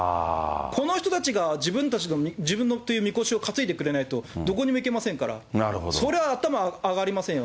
この人たちが自分たちの、自分のみこしを担いでくれないと、どこにもいけませんから、それは頭上がりませんよ。